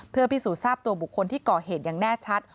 เพื่อพิสูจน์ทราบตัวบุคคลที่ก่อเหตุอย่างแน่ชัด